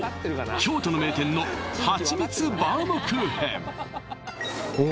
京都の名店のはちみつバウムクーヘンえ